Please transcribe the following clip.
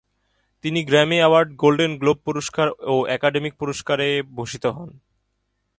তিনি Grammy award, Golden Globe পুরস্কার ও একাডেমি পুরস্কারে ভূষিত হন।